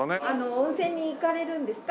温泉に行かれるんですか？